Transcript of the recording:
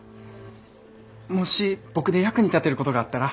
もし僕で役に立てることがあったら。